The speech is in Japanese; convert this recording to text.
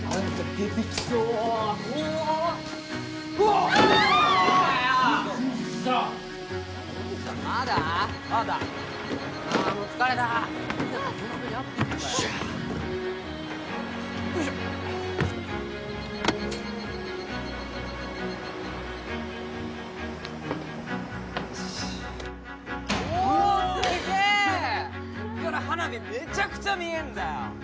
こっから花火めちゃくちゃ見えんだよ！